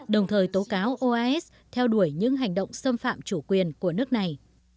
đồng thời tố cáo oas theo đuổi những hành động xâm phạm chủ quyền của nước này